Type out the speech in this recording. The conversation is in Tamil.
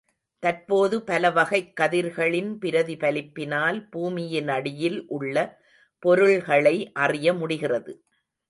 தற்போது பல வகைக் கதிர்களின் பிரதிபலிப்பினால் பூமியினடியில் உள்ள பொருள்களை அறிய முடிகிறது.